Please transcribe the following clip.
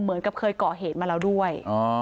เหมือนกับเคยก่อเหตุมาแล้วด้วย